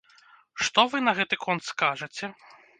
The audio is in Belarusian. Што вы на гэты конт скажаце?